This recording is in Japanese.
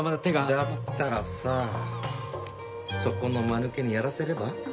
だったらさそこの間抜けにやらせれば？